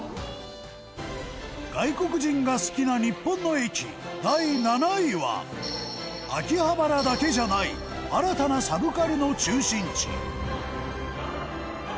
外国人が好きな日本の駅第７位は秋葉原だけじゃない新たなサブカルの中心地